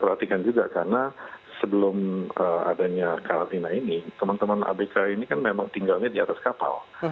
perhatikan juga karena sebelum adanya karantina ini teman teman abk ini kan memang tinggalnya di atas kapal